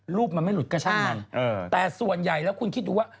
รูปมันไม่หลุดกระชั่งมันแต่ส่วนใหญ่แล้วคุณคิดดูว่า